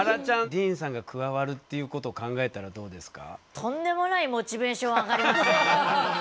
ディーンさんが加わるっていうことを考えたらどうですか？